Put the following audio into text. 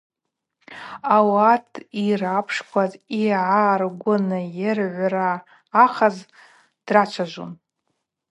Ауат йрапшкваз йгӏаргвынйыргӏвра ахъаз драчважвун.